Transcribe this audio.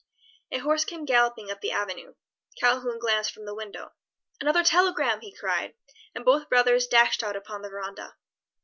A horse came galloping up the avenue. Calhoun glanced from the window. "Another telegram!" he cried, and both brothers dashed out upon the veranda.